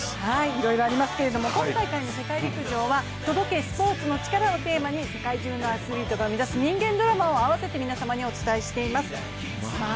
いろいろありますけれども、今大会の世界陸上は「届け、スポーツのチカラ」をテーマに世界中にアスリートが生み出す人間ドラマを合わせて皆様にお伝えしております。